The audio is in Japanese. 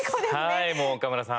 岡村さん